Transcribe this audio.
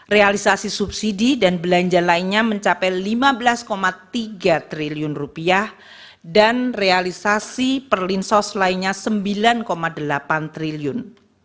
realisasi subsidi dan belanja lainnya mencapai rp lima belas tiga triliun dan realisasi perlinsos lainnya rp sembilan delapan triliun